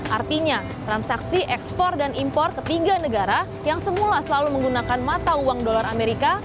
artinya transaksi ekspor dan impor ketiga negara yang semula selalu menggunakan mata uang dolar amerika